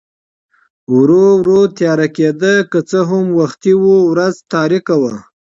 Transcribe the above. ورو ورو تیاره کېده، که څه هم وختي و، ورځ تاریکه وه.